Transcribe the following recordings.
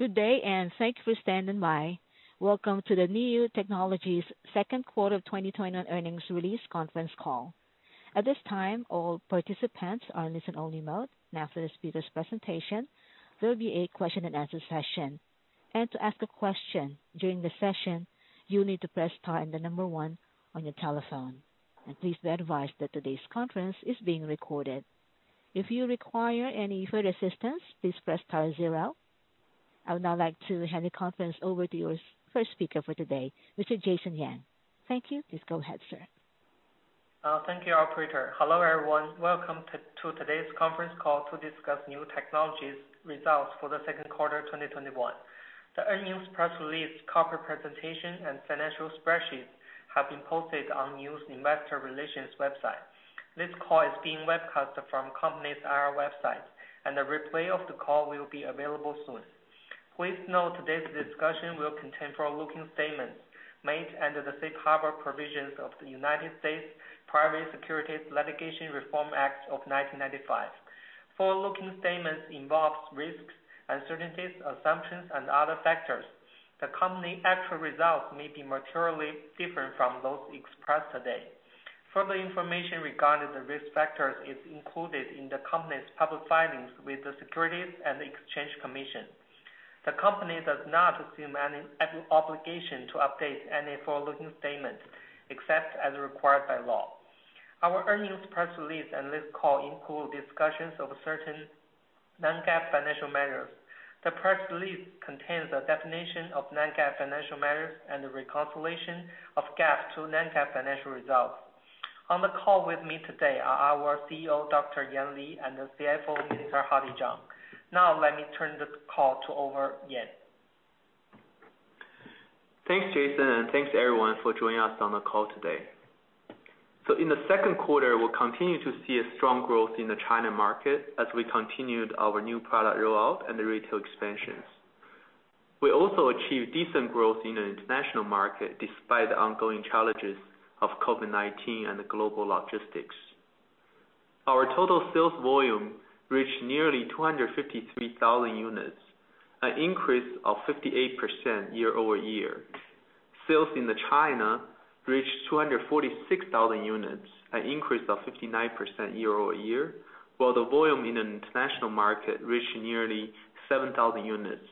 Welcome to the Niu Technologies second quarter of 2021 earnings release conference call. At this time, all participants are in listen-only mode. For the speaker's presentation, there will be a question-and-answer session. And to asked a question during the session you need to press star and number one on your telephone. Please be advised that today's conference is being recorded. If you require further assistance please press star zero. I would now like to hand the conference over to your first speaker for today, Mr. Jason Yang. Thank you. Please go ahead, sir. Thank you, operator. Hello, everyone. Welcome to today's conference call to discuss Niu Technologies results for the 2Q 2021. The earnings press release, corporate presentation, and financial spreadsheets have been posted on Niu's investor relations website. This call is being webcast from the company's IR website. A replay of the call will be available soon. Please note today's discussion will contain forward-looking statements made under the safe harbor provisions of the U.S. Private Securities Litigation Reform Act of 1995. Forward-looking statements involve risks, uncertainties, assumptions, and other factors. The company's actual results may be materially different from those expressed today. Further information regarding the risk factors is included in the company's public filings with the Securities and Exchange Commission. The company does not assume any obligation to update any forward-looking statements except as required by law. Our earnings press release and this call include discussions of certain non-GAAP financial measures. The press release contains a definition of non-GAAP financial measures and a reconciliation of GAAP to non-GAAP financial results. On the call with me today are our CEO, Dr. Yan Li, and the CFO, Mr. Hardy Zhang. Now let me turn the call over to Yan. Thanks, Jason, and thanks everyone for joining us on the call today. In the second quarter, we continued to see a strong growth in the China market as we continued our new product rollout and the retail expansions. We also achieved decent growth in the international market despite the ongoing challenges of COVID-19 and global logistics. Our total sales volume reached nearly 253,000 units, an increase of 58% year-over-year. Sales in China reached 246,000 units, an increase of 59% year-over-year, while the volume in an international market reached nearly 7,000 units,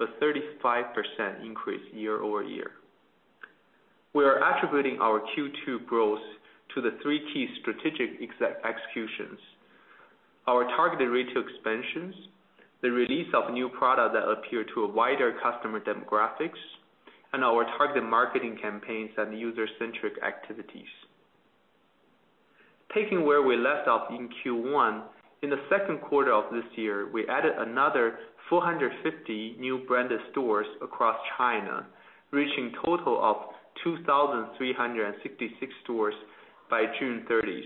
a 35% increase year-over-year. We are attributing our Q2 growth to the three key strategic executions, our targeted retail expansions, the release of new products that appeal to wider customer demographics, and our targeted marketing campaigns and user-centric activities. Taking where we left off in Q1, in the second quarter of this year, we added another 450 Niu-branded stores across China, reaching a total of 2,366 stores by June 30th,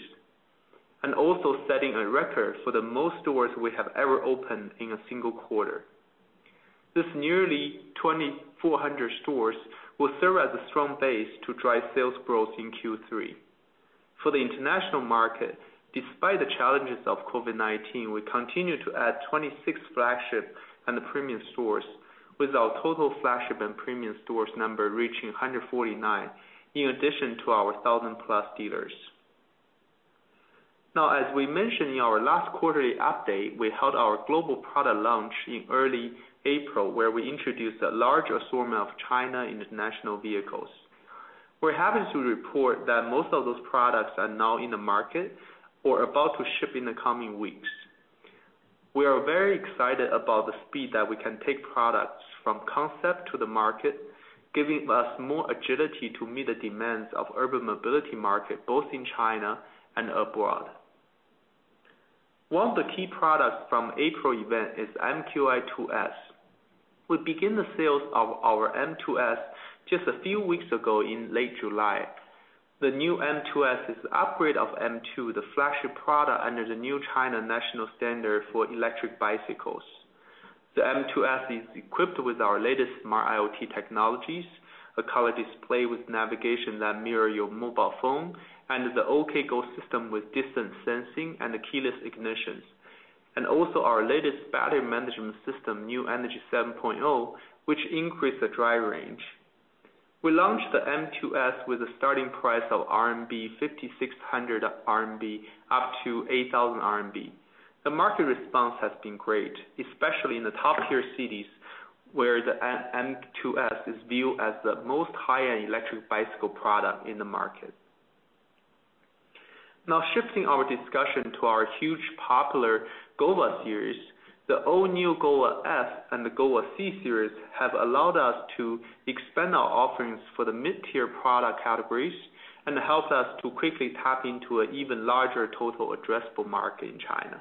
and also setting a record for the most stores we have ever opened in a single quarter. These nearly 2,400 stores will serve as a strong base to drive sales growth in Q3. For the international market, despite the challenges of COVID-19, we continued to add 26 flagship and premium stores, with our total flagship and premium stores number reaching 149 in addition to our 1,000-plus dealers. Now, as we mentioned in our last quarterly update, we held our global product launch in early April, where we introduced a large assortment of China international vehicles. We're happy to report that most of those products are now in the market or about to ship in the coming weeks. We are very excited about the speed that we can take products from concept to the market, giving us more agility to meet the demands of the urban mobility market, both in China and abroad. One of the key products from the April event is the MQi2S. We began the sales of our M2S just a few weeks ago in late July. The new M2S is the upgrade of M2, the flagship product under the new China national standard for electric bicycles. The M2S is equipped with our latest smart IoT technologies, a color display with navigation that mirrors your mobile phone, and the OkGo system with distance sensing and keyless ignition. Also our latest battery management system, NIU Energy 7.0, which increases the drive range. We launched the M2S with a starting price of 5,600-8,000 RMB. The market response has been great, especially in the top-tier cities where the M2S is viewed as the most high-end electric bicycle product in the market. Now shifting our discussion to our hugely popular GOVA series, the all-new GOVA S and the GOVA C series have allowed us to expand our offerings for the mid-tier product categories and helped us to quickly tap into an even larger total addressable market in China.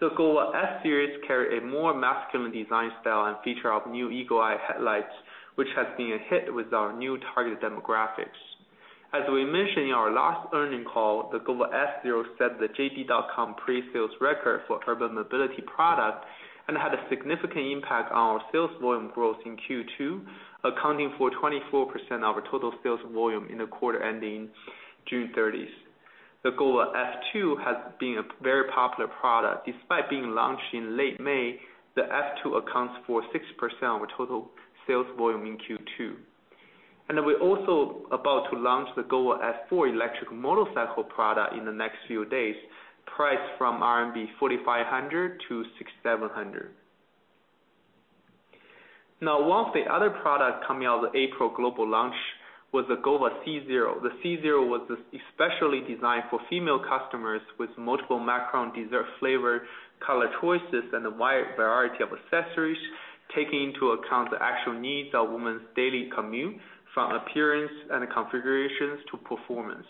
The GOVA S series carry a more masculine design style and feature our new SkyEye headlights, which has been a hit with our new target demographics. As we mentioned in our last earning call, the GOVA S series set the JD.com pre-sales record for urban mobility product and had a significant impact on our sales volume growth in Q2, accounting for 24% of our total sales volume in the quarter ending June 30th. The GOVA F2 has been a very popular product. Despite being launched in late May, the F2 accounts for 6% of our total sales volume in Q2. We're also about to launch the GOVA F4 electric motorcycle product in the next few days, priced from RMB 4,500-6,700. One of the other products coming out of the April global launch was the GOVA C0. The C0 was especially designed for female customers, with multiple macaron dessert flavor color choices and a wide variety of accessories, taking into account the actual needs of women's daily commute, from appearance and configurations to performance.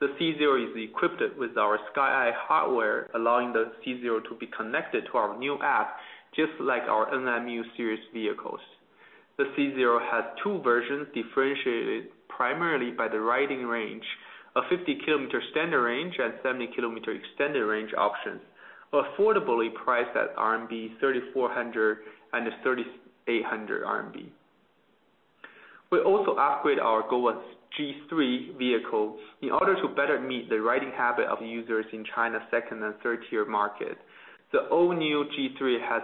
The C0 is equipped with our SkyEye hardware, allowing the C0 to be connected to our new app, just like our NQi, MQi, UQi series vehicles. The C0 has two versions, differentiated primarily by the riding range, a 50-kilometer standard range and 70-kilometer extended range options, affordably priced at RMB 3,400 and 3,800 RMB. We also upgrade our GOVA G3 vehicles in order to better meet the riding habit of users in China's second and third-tier market. The all-new G3 has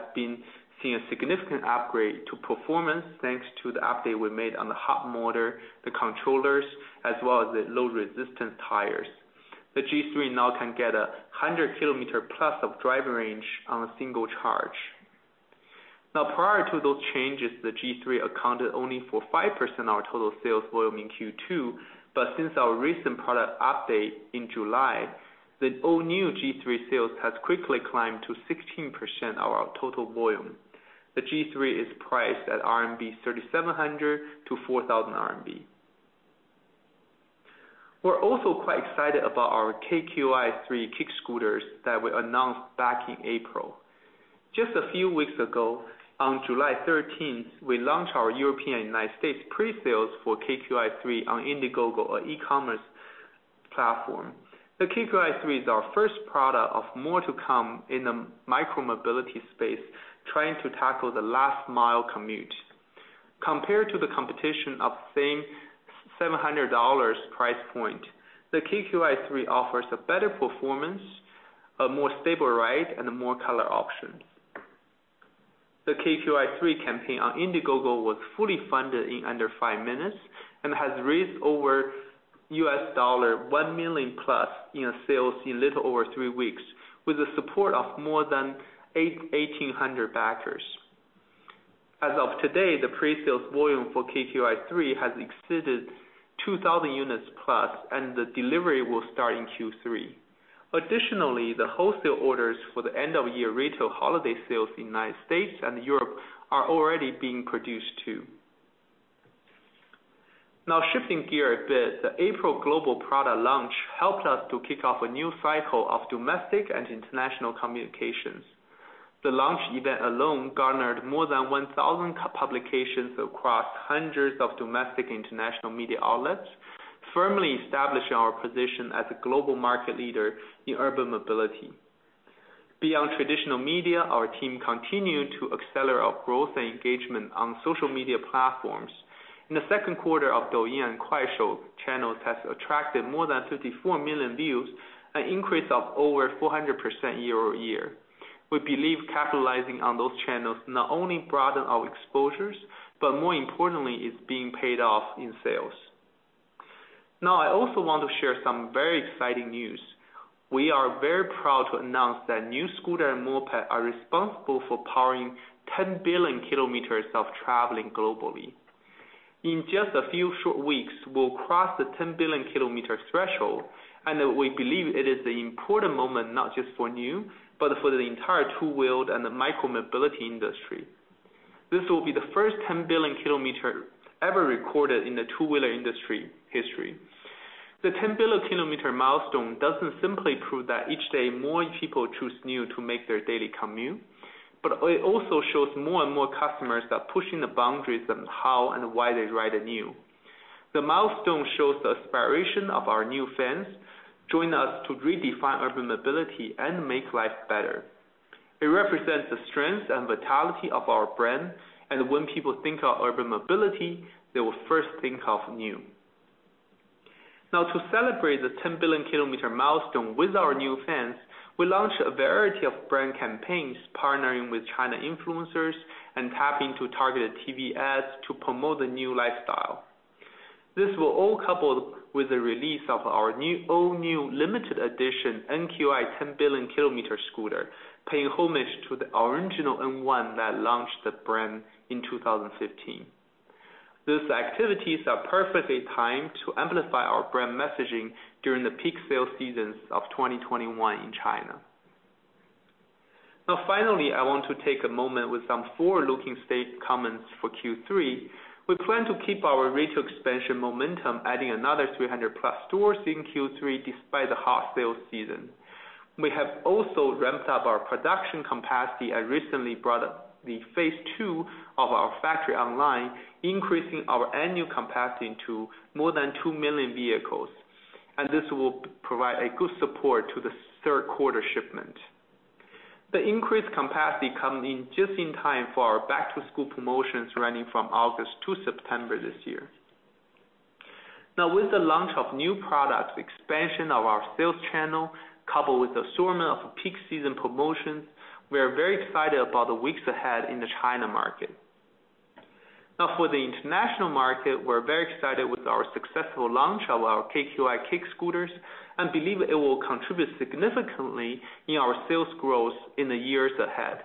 seen a significant upgrade to performance, thanks to the update we made on the hub motor, the controllers, as well as the low-resistance tires. The G3 now can get 100 km plus of driving range on a single charge. Prior to those changes, the G3 accounted only for 5% of our total sales volume in Q2. Since our recent product update in July, the all-new G3 sales has quickly climbed to 16% of our total volume. The G3 is priced at 3,700-4,000 RMB. We're also quite excited about our KQi3 kick scooters that we announced back in April. Just a few weeks ago, on July 13th, we launched our European and United States pre-sales for KQi3 on Indiegogo, an e-commerce platform. The KQi3 is our first product of more to come in the micro-mobility space, trying to tackle the last mile commute. Compared to the competition of same $700 price point, the KQi3 offers a better performance, a more stable ride, and more color options. The KQi3 campaign on Indiegogo was fully funded in under five minutes and has raised over $1 million+ in sales in a little over three weeks, with the support of more than 1,800 backers. As of today, the pre-sales volume for KQi3 has exceeded 2,000 units+, and the delivery will start in Q3. The wholesale orders for the end-of-year retail holiday sales in the U.S. and Europe are already being produced, too. Shifting gear a bit, the April global product launch helped us to kick off a new cycle of domestic and international communications. The launch event alone garnered more than 1,000 publications across hundreds of domestic and international media outlets, firmly establishing our position as a global market leader in urban mobility. Beyond traditional media, our team continued to accelerate our growth and engagement on social media platforms. In the second quarter, our Douyin and Kuaishou channels has attracted more than 54 million views, an increase of over 400% year-over-year. We believe capitalizing on those channels not only broaden our exposures, but more importantly, it's being paid off in sales. Now, I also want to share some very exciting news. We are very proud to announce that Niu's scooter and moped are responsible for powering 10 billion kilometers of traveling globally. In just a few short weeks, we'll cross the 10 billion kilometer threshold, and we believe it is an important moment, not just for Niu, but for the entire two-wheeled and the micro-mobility industry. This will be the first 10 billion kilometer ever recorded in the two-wheeler industry history. The 10 billion kilometer milestone doesn't simply prove that each day, more people choose Niu to make their daily commute, but it also shows more and more customers are pushing the boundaries on how and why they ride a Niu. The milestone shows the aspiration of our Niu fans joining us to redefine urban mobility and make life better. It represents the strength and vitality of our brand, and when people think of urban mobility, they will first think of Niu. Now, to celebrate the 10 billion kilometer milestone with our Niu fans, we launched a variety of brand campaigns, partnering with China influencers and tapping to targeted TV ads to promote the Niu lifestyle. This will all couple with the release of our all-new limited edition NQi 10 billion kilometer scooter, paying homage to the original N1 that launched the brand in 2015. These activities are perfectly timed to amplify our brand messaging during the peak sales seasons of 2021 in China. Finally, I want to take a moment with some forward-looking comments for Q3. We plan to keep our retail expansion momentum, adding another 300+ stores in Q3, despite the hot sales season. We have also ramped up our production capacity and recently brought the phase II of our factory online, increasing our annual capacity to more than 2 million vehicles. This will provide a good support to the third quarter shipment. The increased capacity comes in just in time for our back-to-school promotions running from August to September this year. With the launch of new products, expansion of our sales channel, coupled with the assortment of peak season promotions, we are very excited about the weeks ahead in the China market. For the international market, we're very excited with our successful launch of our KQi3 scooters, and believe it will contribute significantly in our sales growth in the years ahead.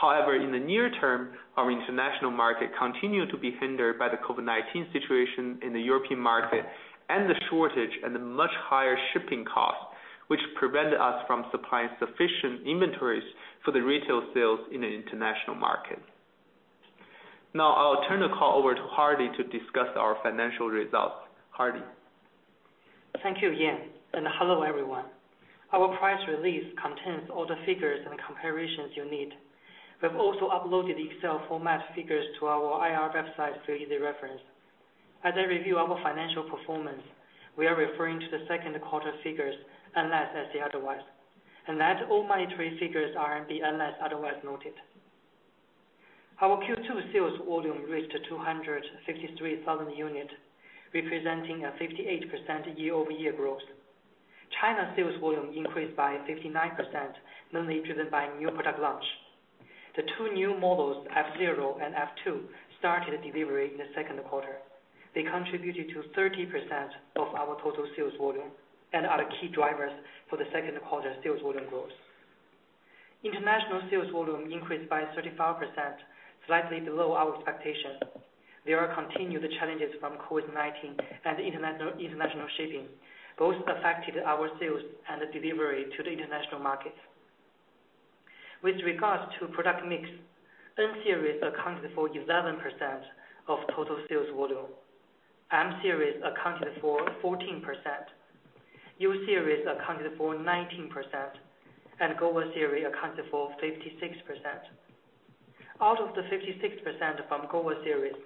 However, in the near term, our international market continued to be hindered by the COVID-19 situation in the European market, and the shortage and the much higher shipping costs, which prevented us from supplying sufficient inventories for the retail sales in the international market. I'll turn the call over to Hardy to discuss our financial results. Hardy. Thank you, Yan, and hello, everyone. Our press release contains all the figures and comparisons you need. We have also uploaded Excel format figures to our IR website for easy reference. As I review our financial performance, we are referring to the second quarter figures, unless I say otherwise. That all monetary figures are in USD, unless otherwise noted. Our Q2 sales volume reached 263,000 units, representing a 58% year-over-year growth. China sales volume increased by 59%, mainly driven by new product launch. The two new models, F0 and F2, started delivery in the second quarter. They contributed to 30% of our total sales volume and are the key drivers for the second quarter sales volume growth. International sales volume increased by 35%, slightly below our expectation. There are continued challenges from COVID-19 and international shipping. Both affected our sales and the delivery to the international markets. With regards to product mix, N series accounted for 11% of total sales volume. M series accounted for 14%. U series accounted for 19%, and GOVA series accounted for 56%. Out of the 56% from GOVA series,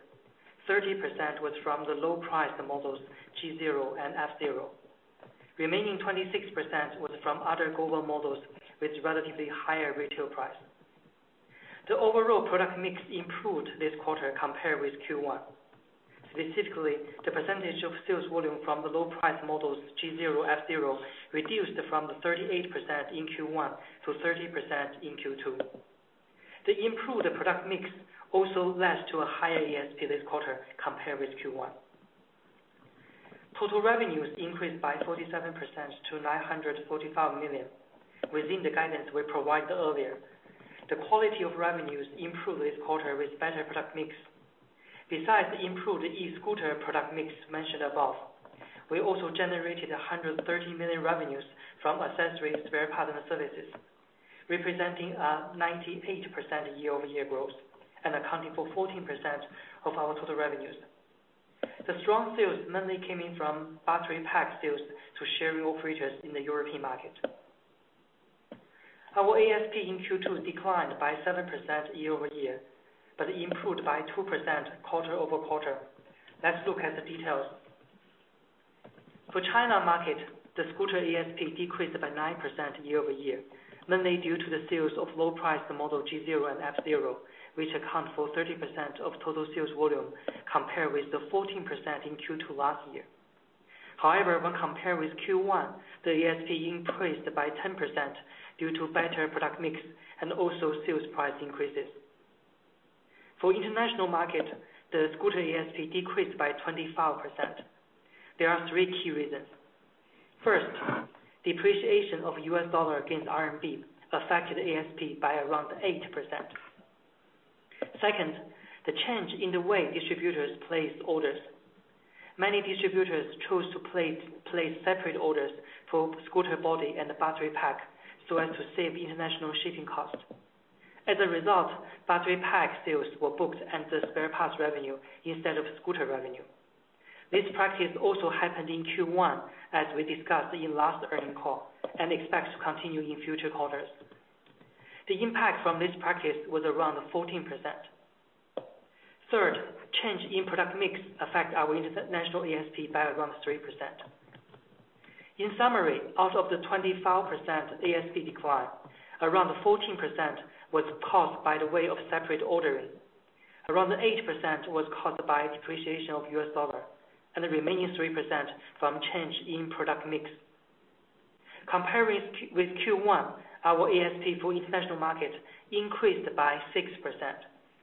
30% was from the low-priced models, G0 and F0. Remaining 26% was from other GOVA models with relatively higher retail price. The overall product mix improved this quarter compared with Q1. Specifically, the percentage of sales volume from the low-priced models, G0, F0, reduced from the 38% in Q1 to 30% in Q2. The improved product mix also led to a higher ASP this quarter compared with Q1. Total revenues increased by 47% to $945 million, within the guidance we provided earlier. The quality of revenues improved this quarter with better product mix. Besides the improved e-scooter product mix mentioned above, we also generated $130 million revenues from accessories, spare parts, and services, representing a 98% year-over-year growth, and accounting for 14% of our total revenues. The strong sales mainly came in from battery pack sales to shared mobility operators in the European market. Our ASP in Q2 declined by 7% year-over-year, but improved by 2% quarter-over-quarter. Let's look at the details. For China market, the scooter ASP decreased by 9% year-over-year, mainly due to the sales of low-priced model G0 and F0, which account for 30% of total sales volume, compared with the 14% in Q2 last year. When compared with Q1, the ASP increased by 10% due to better product mix and also sales price increases. For international market, the scooter ASP decreased by 25%. There are three key reasons. Depreciation of U.S. dollar against RMB affected ASP by around 8%. Second, the change in the way distributors place orders. Many distributors chose to place separate orders for scooter body and the battery pack so as to save international shipping costs. Battery pack sales were booked under spare parts revenue instead of scooter revenue. This practice also happened in Q1, as we discussed in last earning call, and expect to continue in future quarters. The impact from this practice was around 14%. Third, change in product mix affect our international ASP by around 3%. In summary, out of the 25% ASP decline, around 14% was caused by the way of separate ordering. Around 8% was caused by depreciation of U.S. dollar, the remaining 3% from change in product mix. Comparing with Q1, our ASP for international market increased by 6%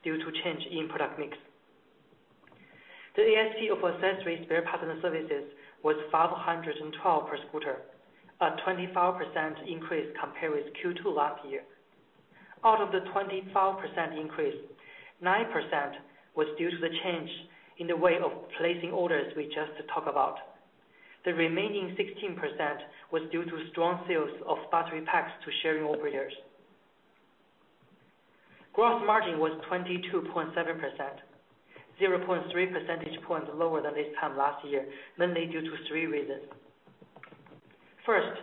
due to change in product mix. The ASP of accessories, spare parts, and services was $512 per scooter, a 25% increase compared with Q2 last year. Out of the 25% increase, 9% was due to the change in the way of placing orders we just talked about. The remaining 16% was due to strong sales of battery packs to sharing operators. Gross margin was 22.7%, 0.3 percentage points lower than this time last year, mainly due to three reasons. First,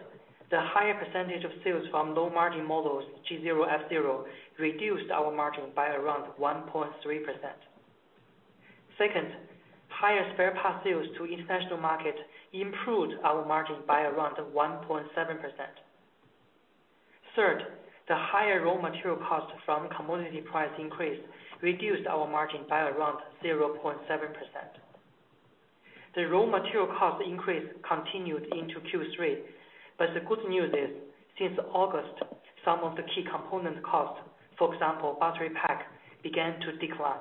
the higher percentage of sales from low-margin models, G0, F0, reduced our margin by around 1.3%. Second, higher spare parts sales to international market improved our margin by around 1.7%. Third, the higher raw material cost from commodity price increase reduced our margin by around 0.7%. The raw material cost increase continued into Q3, but the good news is since August, some of the key component costs, for example, battery pack, began to decline.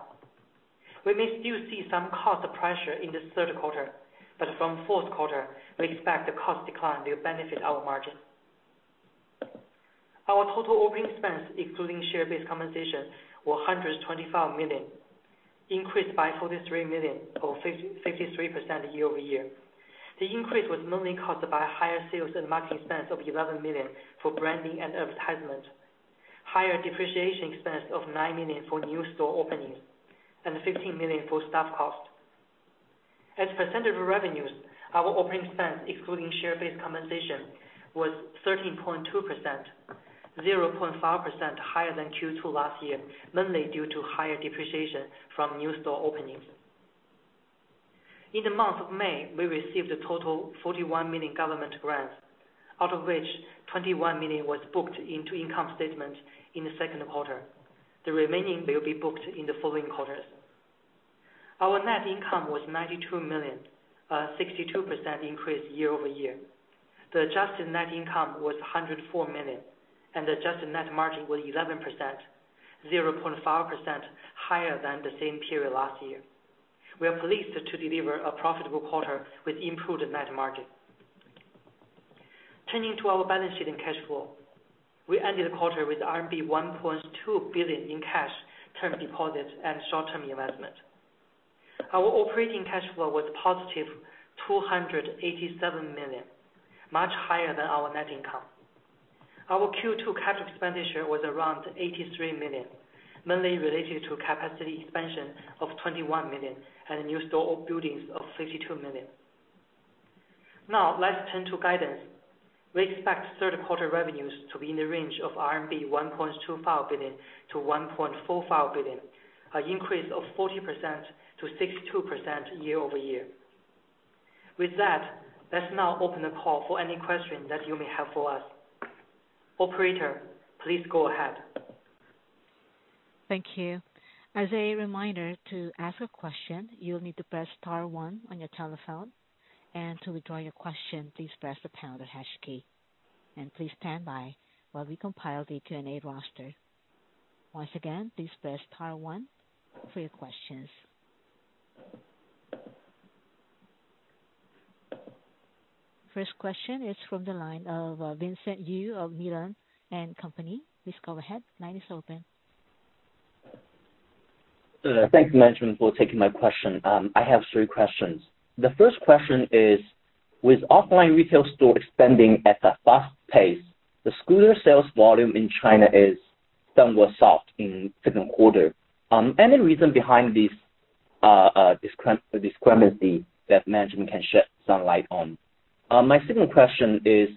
We may still see some cost pressure in the third quarter, but from the fourth quarter, we expect the cost decline to benefit our margin. Our total operating expense, excluding share-based compensation, was $125 million, increased by $43 million, or 53% year-over-year. The increase was mainly caused by higher sales and marketing expense of $11 million for branding and advertisement, higher depreciation expense of $9 million for new store openings, and $15 million for staff cost. As a percentage of revenues, our operating expense, excluding share-based compensation, was 13.2%, 0.5% higher than Q2 last year, mainly due to higher depreciation from new store openings. In the month of May, we received a total of $41 million government grants, out of which $21 million was booked into income statement in the second quarter. The remaining will be booked in the following quarters. Our net income was $92 million, a 62% increase year-over-year. The adjusted net income was $104 million, and the adjusted net margin was 11%, 0.5% higher than the same period last year. We are pleased to deliver a profitable quarter with improved net margin. Turning to our balance sheet and cash flow. We ended the quarter with RMB 1.2 billion in cash, term deposits, and short-term investments. Our operating cash flow was positive $287 million, much higher than our net income. Our Q2 capital expenditure was around $83 million, mainly related to capacity expansion of $21 million and new store buildings of $52 million. Let's turn to guidance. We expect third quarter revenues to be in the range of 1.25 billion-1.45 billion RMB, an increase of 40%-62% year-over-year. With that, let's now open the call for any questions that you may have for us. Operator, please go ahead. Thank you. As a reminder to asked a question you need to press star one on your telephone. And to withdraw your question press pound hash key. And please stand by a we compile the Q and A roster. Once again, please press star one for your question. First question is from the line of Vincent Yu of Mirae Asset. Please go ahead. Thanks, management, for taking my question. I have three questions. The first question is, with offline retail store expanding at a fast pace, the scooter sales volume in China is somewhat soft in the second quarter. Any reason behind this discrepancy that management can shed some light on? My second question is,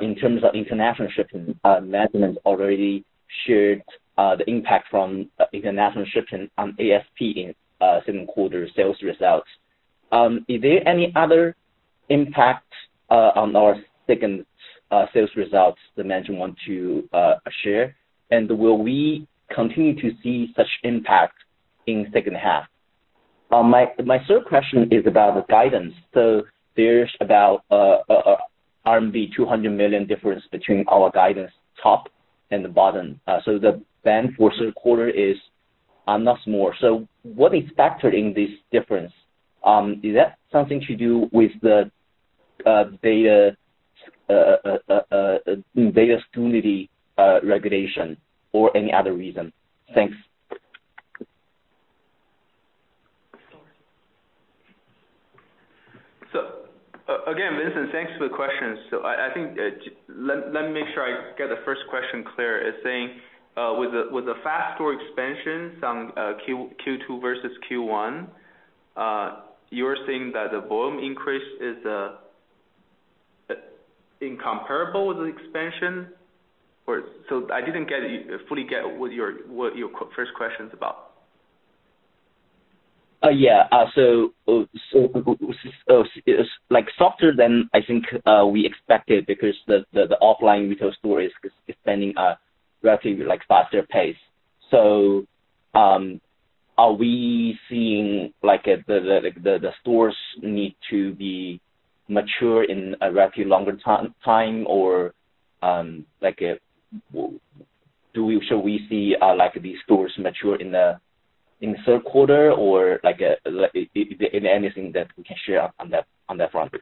in terms of international shipping, management already shared the impact from international shipping on ASP in second quarter sales results. Is there any other impact on our second sales results the management want to share, and will we continue to see such impact in the second half? My third question is about the guidance. There's about RMB 200 million difference between our guidance top and the bottom. The band for the third quarter is much more. What is factored in this difference? Is that something to do with the beta committee regulation or any other reason? Thanks. Sorry. Again, Vincent, thanks for the questions. I think, let me make sure I get the first question clear. Is saying, with the fast store expansion from Q2 versus Q1, you're saying that the volume increase is incomparable with the expansion? I didn't fully get what your first question's about. It was softer than I think we expected because the offline retail store is expanding at a relatively faster pace. Are we seeing the stores need to be mature in a relatively longer time, or shall we see these stores mature in the third quarter? Is there anything that we can share on that front?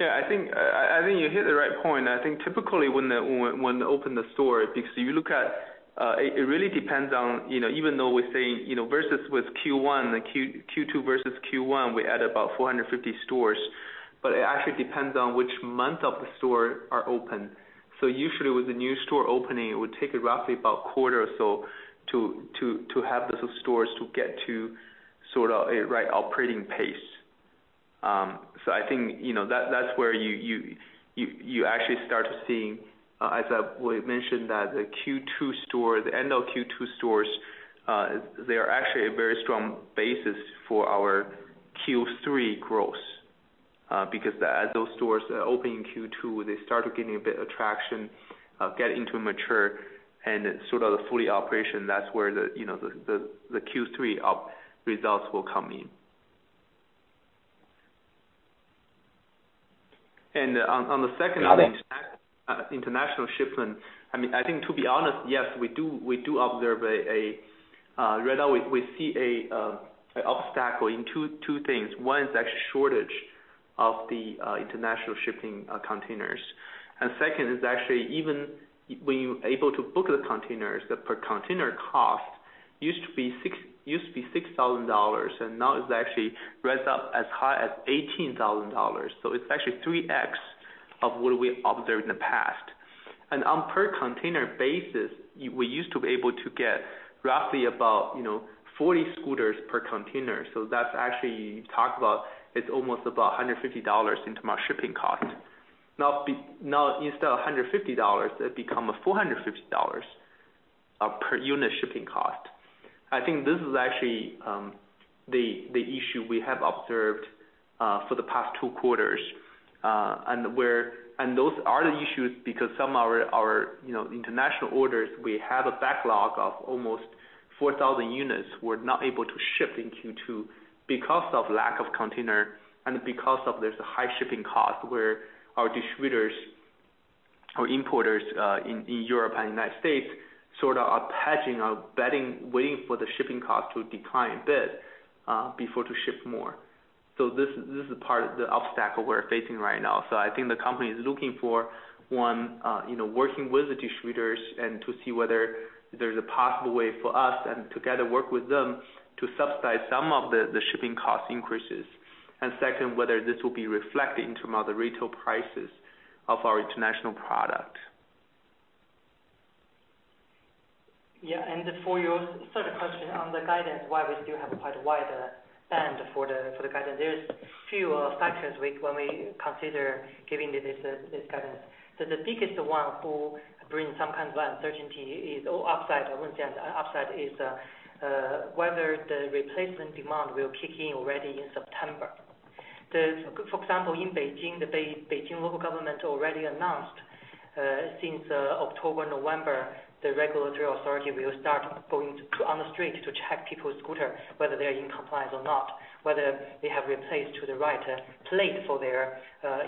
Yeah, I think you hit the right point. I think typically when they open the store, if you look at it really depends on even though we're saying, versus with Q1, like Q2 versus Q1, we added about 450 stores, but it actually depends on which month of the store are open. Usually, with the new store opening, it would take roughly about a quarter or so to have the stores to get to sort of a right operating pace. I think that's where you actually start seeing, as I mentioned, that the end of Q2 stores, they are actually a very strong basis for our Q3 growth. As those stores open in Q2, they start getting a bit of traction, get into mature and sort of fully operational. That's where the Q3 results will come in. On the second thing. Got it. International shipment. I think to be honest, yes, we do observe. Right now we see an obstacle in two things. One is actually shortage of the international shipping containers. Second is actually even when you are able to book the containers, the per container cost used to be $6,000, and now it actually rises up as high as $18,000. It's actually 3X of what we observed in the past. On per container basis, we used to be able to get roughly about 40 scooters per container. That's actually, you talk about, it's almost about $150 into my shipping cost. Now instead of $150, it become a $450 of per unit shipping cost. I think this is actually the issue we have observed for the past two quarters. Those are the issues because some are our international orders. We have a backlog of almost 4,000 units we're not able to ship in Q2 because of lack of container and because of there's a high shipping cost where our distributors or importers in Europe and U.S. sort of are pausing or betting, waiting for the shipping cost to decline a bit, before to ship more. This is the part, the obstacle we're facing right now. I think the company is looking for, one, working with the distributors and to see whether there's a possible way for us and together work with them to subsidize some of the shipping cost increases. Second, whether this will be reflected into the retail prices of our international product. Yeah. For your third question on the guidance, why we still have quite a wider band for the guidance, there's few factors when we consider giving this guidance. The biggest one who bring some kind of uncertainty is all upside. I wouldn't say upside, is whether the replacement demand will kick in already in September. For example, in Beijing, the Beijing local government already announced, since October, November, the regulatory authority will start going on the street to check people's scooter, whether they are in compliance or not, whether they have replaced to the right plate for their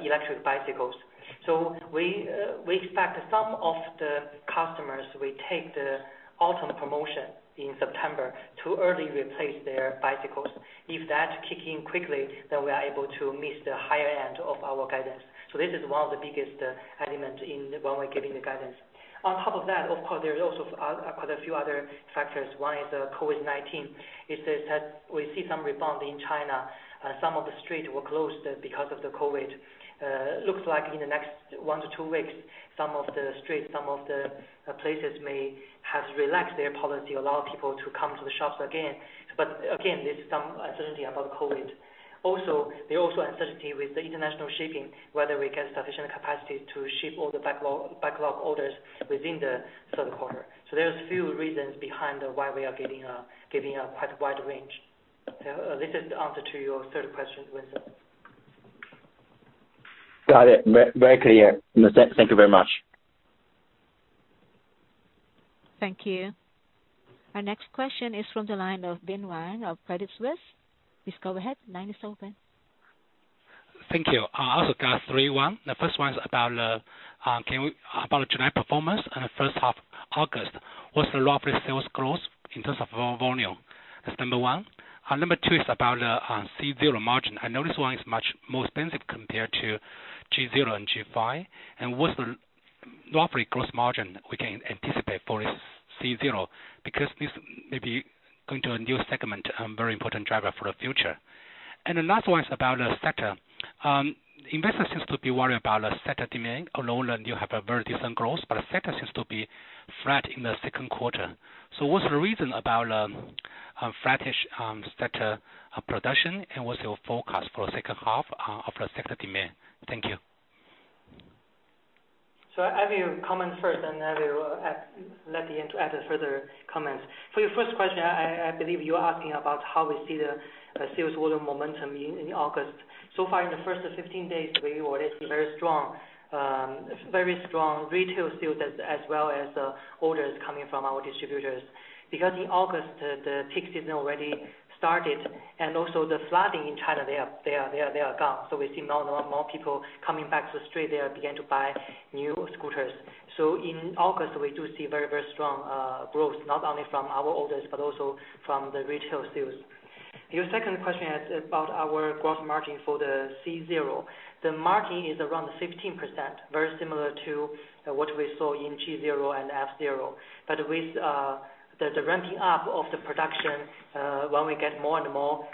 electric bicycles. We expect some of the customers will take the autumn promotion in September to early replace their bicycles. If that kick in quickly, then we are able to miss the higher end of our guidance. This is one of the biggest elements when we're giving the guidance. On top of that, of course, there's also quite a few other factors. One is COVID-19, is that we see some rebound in China. Some of the streets were closed because of the COVID. Looks like in the next one to two weeks, some of the streets, some of the places may have relaxed their policy, allow people to come to the shops again. Again, there's some uncertainty about COVID. There are also uncertainty with the international shipping, whether we get sufficient capacity to ship all the backlog orders within the third quarter. There's a few reasons behind why we are giving a quite wide range. This is the answer to your third question, Vincent Yu. Got it. Very clear. Thank you very much. Thank you. Our next question is from the line of Bin Wang of Credit Suisse. Please go ahead. Line is open. Thank you. I also got three. The first one is about the July performance and the first half August. What's the roughly sales growth in terms of volume? That's number one. Number two is about C0 margin. I know this one is much more expensive compared to G0 and F0. What's the roughly gross margin we can anticipate for C0? Because this may be going to a new segment, a very important driver for the future. The last one is about the GOVA. Investors seem to be worried about GOVA demand, although Niu have a very decent growth, but GOVA seems to be flat in the second quarter. What's the reason about flattish GOVA production, and what's your forecast for the second half of the GOVA demand? Thank you. I will comment first, and I will let Yan Li to add further comments. For your first question, I believe you are asking about how we see the sales order momentum in August. So far in the first 15 days, we already see very strong retail sales as well as orders coming from our distributors. In August, the peak season already started and also the flooding in China, they are gone. We see more and more people coming back to the street. They are beginning to buy new scooters. In August, we do see very strong growth, not only from our orders, but also from the retail sales. Your second question is about our gross margin for the C0. The margin is around 15%, very similar to what we saw in G0 and F0. With the ramping up of the production, when we get more and more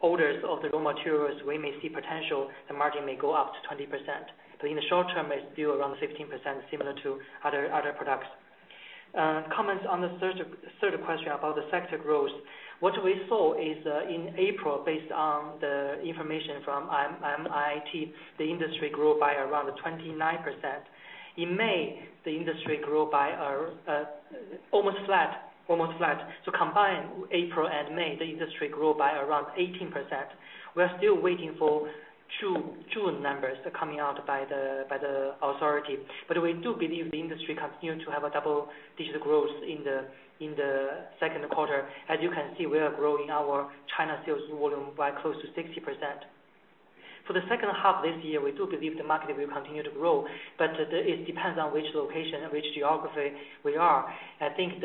orders of the raw materials, we may see potential, the margin may go up to 20%, but in the short term, it's still around 15%, similar to other products. Comments on the third question about the sector growth. What we saw is, in April, based on the information from MIIT, the industry grew by around 29%. In May, the industry grew by almost flat. To combine April and May, the industry grew by around 18%. We are still waiting for June numbers coming out by the authority. We do believe the industry continued to have a double-digit growth in the second quarter. As you can see, we are growing our China sales volume by close to 60%. For the second half of this year, we do believe the market will continue to grow. It depends on which location, which geography we are. I think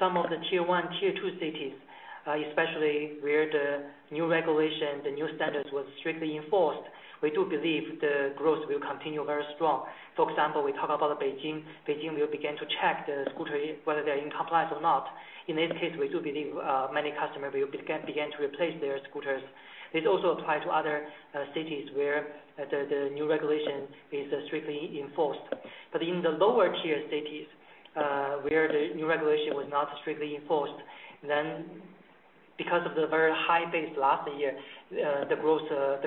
some of the Tier 1, Tier 2 cities, especially where the new regulation, the new standards were strictly enforced, we do believe the growth will continue very strong. For example, we talk about Beijing. Beijing will begin to check the scooters, whether they are in compliance or not. In this case, we do believe many customers will begin to replace their scooters. This also applies to other cities where the new regulation is strictly enforced. In the lower tier cities, where the new regulation was not strictly enforced, then because of the very high base last year, the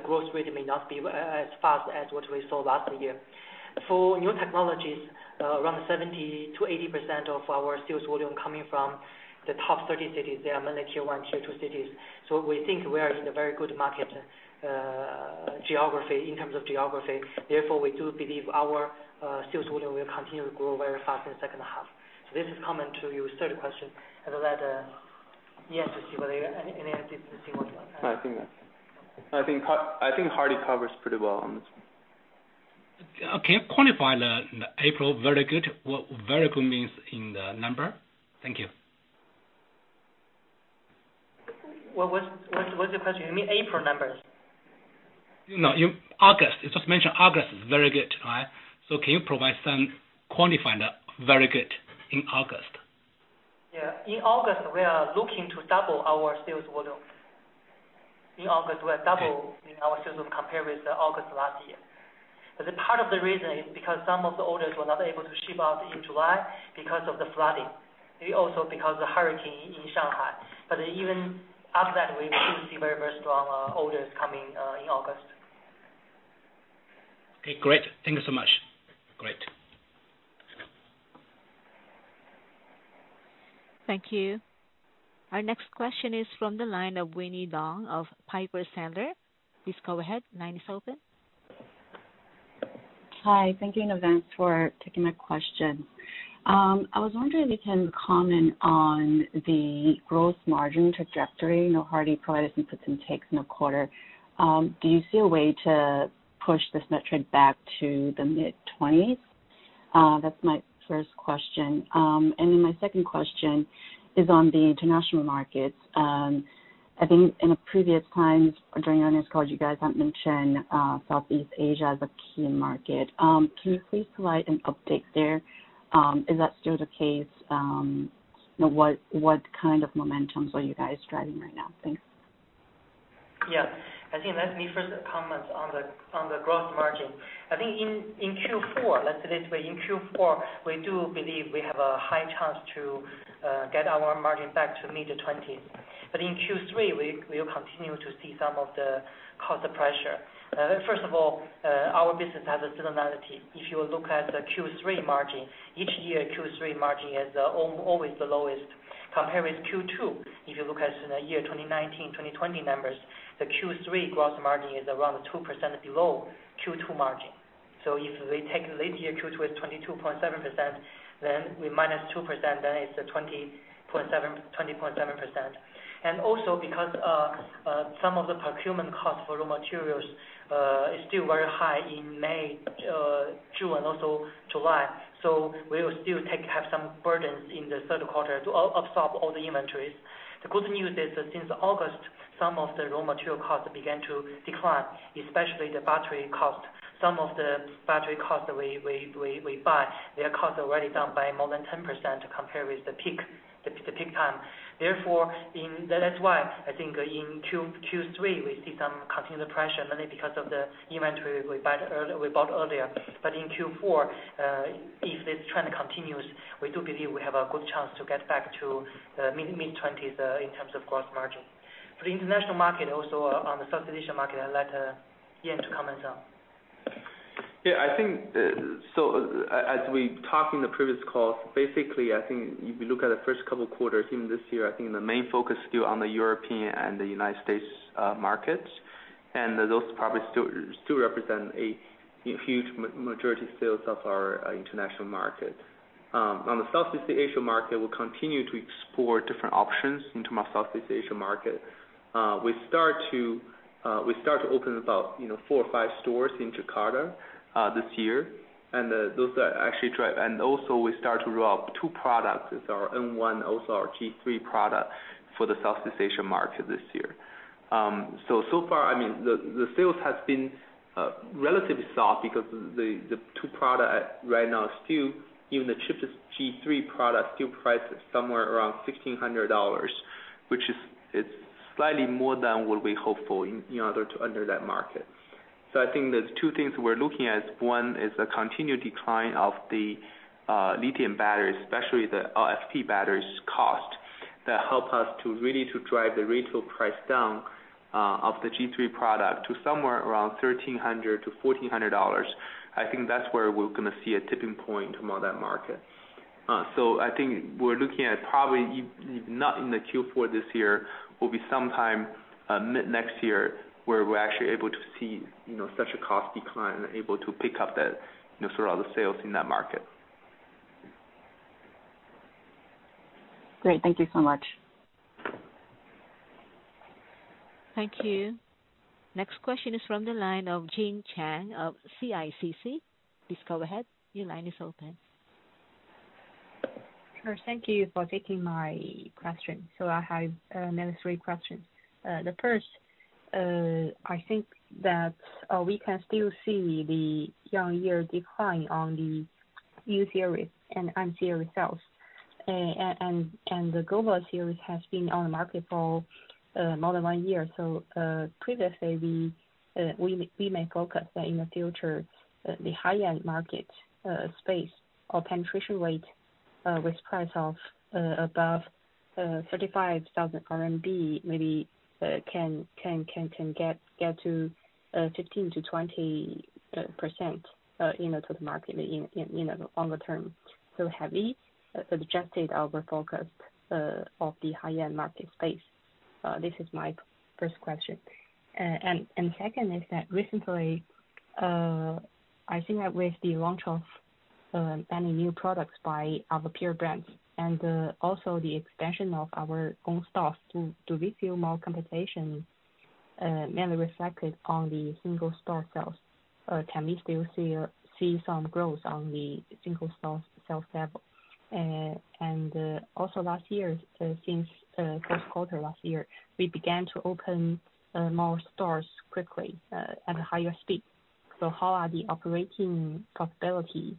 growth rate may not be as fast as what we saw last year. For Niu Technologies, around 70%-80% of our sales volume is coming from the top 30 cities. They are mainly Tier 1, Tier 2 cities. We think we are in a very good market geography in terms of geography. Therefore, we do believe our sales volume will continue to grow very fast in the second half. This is common to your third question, and let Yan to see whether any addition. No, I think that's it. I think Hardy covers pretty well on this one. Can you quantify the April very good? What very good means in the number? Thank you. What's the question? You mean April numbers? No, August. You just mentioned August is very good. Can you provide some quantify the very good in August? Yeah. In August, we are looking to double our sales volume. Okay In our sales volume compared with August last year. Part of the reason is because some of the orders were not able to ship out in July because of the flooding. Maybe also because of the hurricane in Shanghai. Even after that, we still see very, very strong orders coming in August. Okay, great. Thank you so much. Great. Thank you. Our next question is from the line of Winnie Dong of Piper Sandler. Please go ahead. Line is open. Hi. Thank you in advance for taking my question. I was wondering if you can comment on the gross margin trajectory. I know Hardy provided some puts and takes in the quarter. Do you see a way to push this metric back to the mid-20s? That's my first question. My second question is on the international markets. I think in previous times during earnings calls, you guys have mentioned Southeast Asia as a key market. Can you please provide an update there? Is that still the case? What kind of momentum are you guys driving right now? Thanks. Yeah. I think let me first comment on the gross margin. I think in Q4, let's put it this way, in Q4, we do believe we have a high chance to get our margin back to mid-20s. In Q3, we will continue to see some of the cost pressure. First of all, our business has a seasonality. If you look at the Q3 margin, each year, Q3 margin is always the lowest compared with Q2. If you look at the year 2019, 2020 numbers, the Q3 gross margin is around 2% below Q2 margin. If we take this year, Q2 is 22.7%, then we -2%, then it's 20.7%. Also because some of the procurement costs for raw materials is still very high in May, June, and also July. We will still have some burdens in the third quarter to absorb all the inventories. The good news is that since August, some of the raw material costs began to decline, especially the battery cost. Some of the battery costs that we buy, their cost already down by more than 10% compared with the peak time. That's why I think in Q3, we see some continued pressure, mainly because of the inventory we bought earlier. In Q4, if this trend continues, we do believe we have a good chance to get back to mid-20s in terms of gross margin. For the international market, also on the Southeast Asian market, I'll let Yan to comment on. Yeah, I think as we talked in the previous calls, basically, I think if you look at the first couple of quarters in this year, I think the main focus is still on the European and the U.S. markets. Those probably still represent a huge majority of sales of our international market. On the Southeast Asia market, we'll continue to explore different options into more Southeast Asia markets. We start to open about four or five stores in Jakarta this year. We start to roll out two products. It's our N1, also our G3 product for the Southeast Asia market this year. So far, the sales have been relatively soft because the two products right now, even the cheapest G3 product, still prices somewhere around $1,600, which is slightly more than what we hope for in order to enter that market. I think there's two things we're looking at. One is a continued decline of the lithium battery, especially the LFP battery's cost, that help us to really drive the retail price down of the G3 product to somewhere around $1,300-$1,400. I think that's where we're going to see a tipping point among that market. I think we're looking at probably, if not in the Q4 of this year, will be sometime mid next year, where we're actually able to see such a cost decline and able to pick up the sales in that market. Great. Thank you so much. Thank you. Next question is from the line of Jing Chang of CICC. Please go ahead. Your line is open. Sure. Thank you for taking my question. I have mainly three questions. The first, I think that we can still see the year-on-year decline on the U series and M series sales. The GOVA series has been on the market for more than one year. Previously, we may focus in the future, the high-end market space or penetration rate, with price of above 35,000 RMB, maybe can get to 15%-20% to the market in the longer term. Have we adjusted our focus of the high-end market space? This is my first question. Second is that recently, I think that with the launch of many new products by our peer brands, and also the expansion of our own stores, do we feel more competition mainly reflected on the single store sales? Can we still see some growth on the single store sales level? Also last year, since first quarter last year, we began to open more stores quickly at a higher speed. How are the operating profitability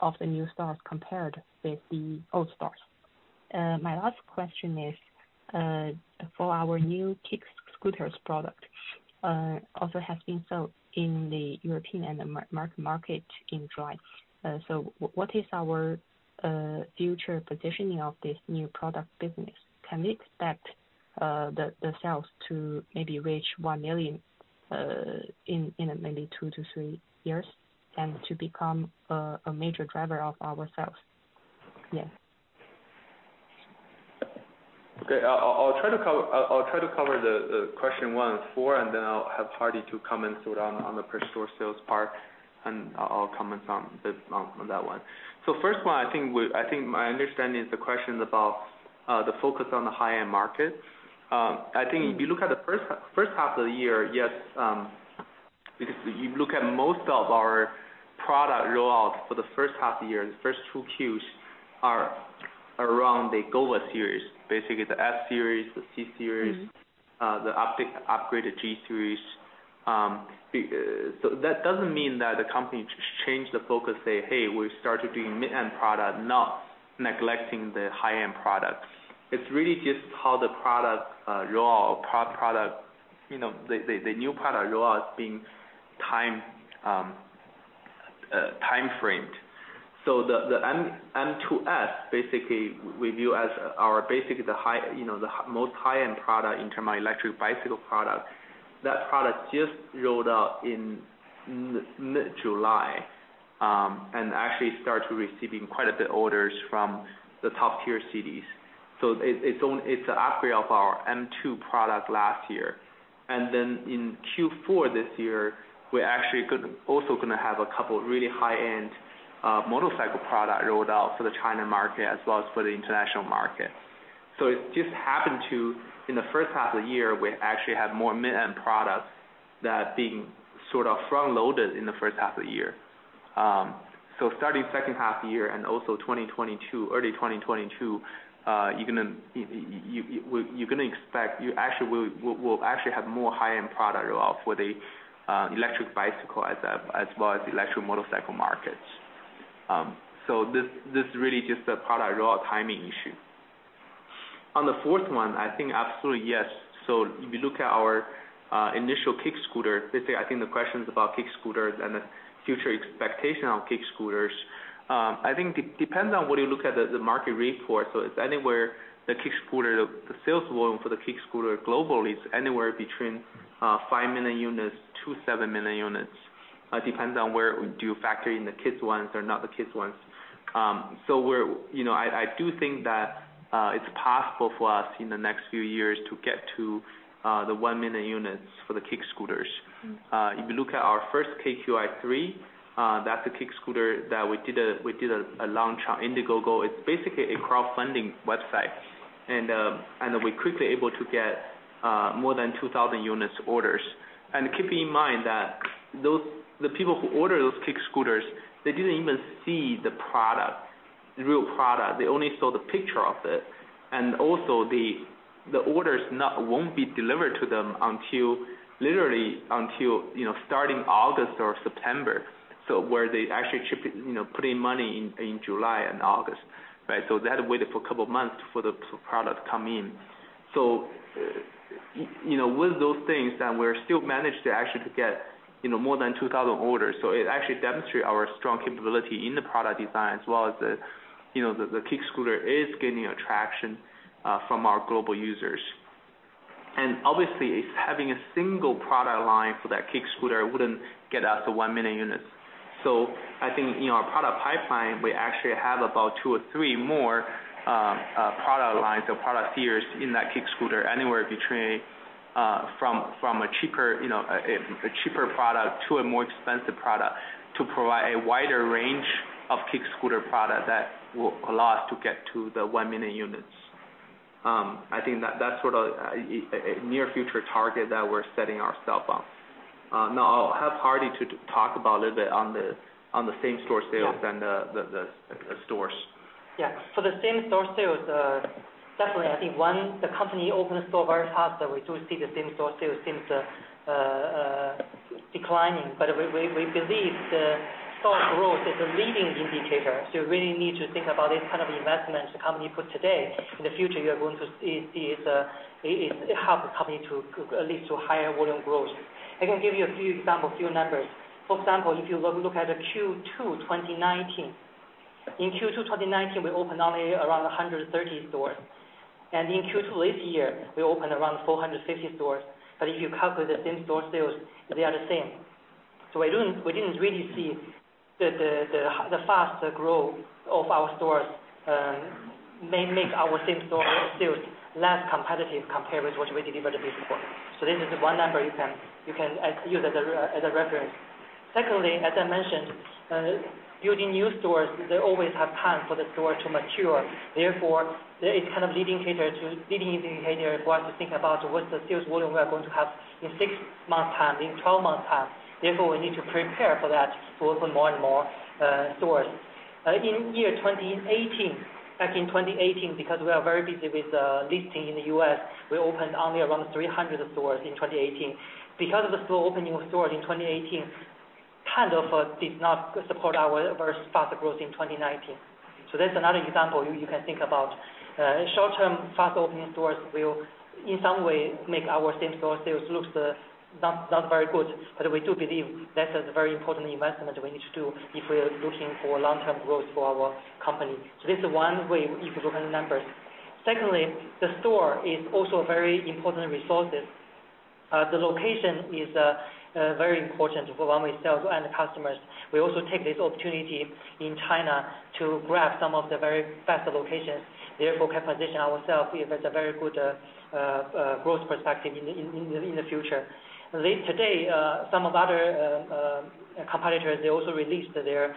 of the new stores compared with the old stores? My last question is, for our new kick scooters product, also has been sold in the European and the U.S. market in July. What is our future positioning of this new product business? Can we expect the sales to maybe reach 1 million in maybe 2-3 years, and to become a major driver of our sales? Yeah. Okay. I'll try to cover question one and four, and then I'll have Hardy to comment sort of on the per store sales part, and I'll comment on that one. First one, I think my understanding of the question is about the focus on the high-end market. I think if you look at the first half of the year, yes, because if you look at most of our product rollout for the first half of the year, the first two Qs are around the GOVA series, basically the F series, the C series- The upgraded G series. That doesn't mean that the company changed the focus, say, "Hey, we started doing mid-end product," not neglecting the high-end product. It's really just how the product rollout, the new product rollout is being time-framed. The M2S, we view as our basically the most high-end product in terms of electric bicycle product. That product just rolled out in mid-July, and actually started receiving quite a bit orders from the top-tier cities. It's an upgrade of our M2 product last year. In Q4 this year, we're actually also going to have a couple of really high-end motorcycle product rolled out for the China market as well as for the international market. It just happened to, in the first half of the year, we actually had more mid-end products that are being sort of front-loaded in the first half of the year. Starting second half of the year and also 2022, early 2022, we'll actually have more high-end product rollout for the electric bicycle as well as electric motorcycle markets. This is really just a product rollout timing issue. On the fourth one, I think absolutely yes. If you look at our initial kick scooter, basically, I think the question's about kick scooters and the future expectation on kick scooters. I think it depends on what you look at the market rate for. The sales volume for the kick scooter globally is anywhere between 5 million units to 7 million units. It depends on do you factor in the kids' ones or not the kids' ones. I do think that it's possible for us in the next few years to get to the 1 million units for the kick scooters. If you look at our first KQi3, that's a kick scooter that we did a launch on Indiegogo. It's basically a crowdfunding website. We quickly able to get more than 2,000 units orders. Keeping in mind that the people who order those kick scooters, they didn't even see the product, the real product. They only saw the picture of it. The orders won't be delivered to them literally until starting August or September. Where they actually put in money in July and August, right? They had to wait for a couple of months for the product to come in. With those things, we still managed to actually get more than 2,000 orders. It actually demonstrates our strong capability in the product design as well as the kick scooter is gaining traction from our global users. Obviously, having a single product line for that kick scooter wouldn't get us to 1 million units. I think in our product pipeline, we actually have about two or three more product lines or product tiers in that kick scooter, anywhere between a cheaper product to a more expensive product to provide a wider range of kick scooter product that will allow us to get to the 1 million units. I think that's sort of a near future target that we're setting ourselves on. I'll have Hardy to talk about a little bit on the same store sales and the stores. Yeah. For the same store sales, definitely, I think once the company opens store very fast that we do see the same store sales seems declining. We believe the store growth is a leading indicator. You really need to think about this kind of investment the company put today. In the future, you are going to see it help the company to lead to higher volume growth. I can give you a few examples, few numbers. For example, if you look at the Q2 2019. In Q2 2019, we opened only around 130 stores. In Q2 this year, we opened around 450 stores. If you calculate the same store sales, they are the same. We didn't really see the faster growth of our stores make our same store sales less competitive compared with what we delivered before. This is one number you can use as a reference. Secondly, as I mentioned, building Niu stores, they always have time for the store to mature. It's kind of a leading indicator for us to think about what the sales volume we are going to have in six months' time, in 12 months' time. We need to prepare for that to open more and more stores. In 2018, back in 2018, because we were very busy with listing in the U.S., we opened only around 300 stores in 2018. Because of the slow opening of stores in 2018, kind of did not support our very fast growth in 2019. That's another example you can think about. Short-term fast opening stores will, in some way, make our same store sales looks not very good. We do believe that is a very important investment we need to do if we are looking for long-term growth for our company. This is one way you could look at the numbers. Secondly, the store is also very important resources. The location is very important for when we sell to end customers. We also take this opportunity in China to grab some of the very best locations, therefore, can position ourselves with a very good growth perspective in the future. Today, some of other competitors, they also released their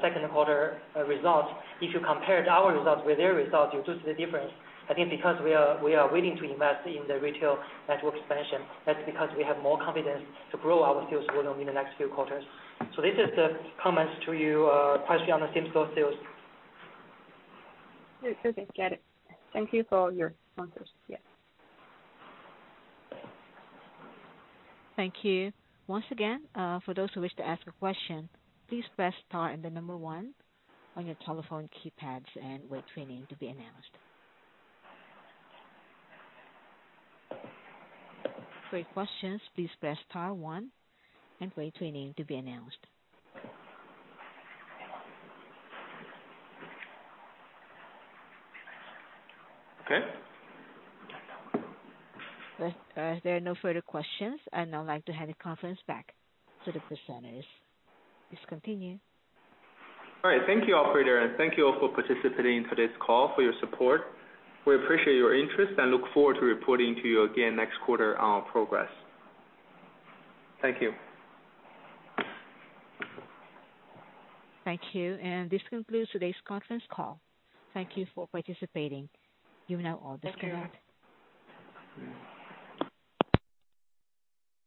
second quarter results. If you compared our results with their results, you do see the difference. I think because we are willing to invest in the retail network expansion, that's because we have more confidence to grow our sales volume in the next few quarters. This is the comments to your question on the same store sales. Okay. Got it. Thank you for your answers. Yeah. Thank you. Once again, for those who wish to ask a question, please press star and the number one on your telephone keypads and wait for your name to be announced. For questions, please press star one and wait for your name to be announced. Okay. If there are no further questions, I'd now like to hand the conference back to the presenters. Please continue. All right. Thank you, operator, and thank you all for participating in today's call, for your support. We appreciate your interest and look forward to reporting to you again next quarter on our progress. Thank you. Thank you, this concludes today's conference call. Thank you for participating. You may all disconnect.